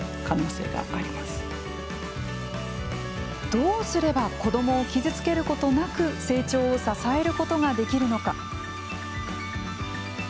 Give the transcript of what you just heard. どうすれば子どもを傷つけることなく成長を支えることができるのか。